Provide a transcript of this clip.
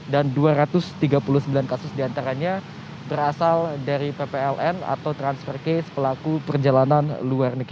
dan dua ratus tiga puluh sembilan kasus diantaranya berasal dari ppln atau transfer case pelaku perjalanan luar